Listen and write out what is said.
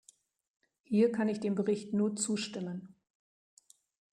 Hier kann ich dem Bericht nur zustimmen.